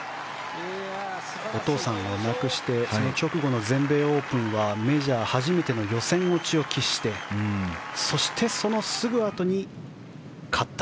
お父さんを亡くしてその直後の全米オープンはメジャー初めての予選落ちを喫してそして、そのすぐあとに勝った。